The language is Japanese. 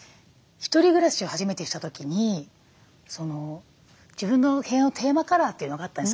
１人暮らしを初めてした時に自分の部屋のテーマカラーというのがあったんです。